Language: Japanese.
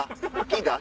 聞いた？